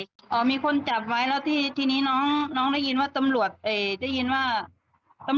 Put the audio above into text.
ก็ไม่อยากคิดใจอะไรอะค่ะ